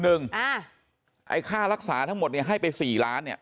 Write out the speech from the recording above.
หนึ่งค่ารักษาทั้งหมดให้ไป๔ล้าน